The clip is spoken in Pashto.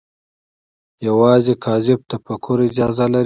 یوازې کاذب تفکر اجازه لري